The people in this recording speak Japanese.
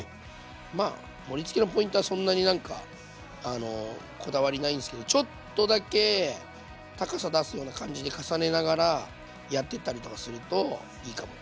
まあ盛りつけのポイントはそんなに何かこだわりないんですけどちょっとだけ高さ出すような感じで重ねながらやってったりとかするといいかも。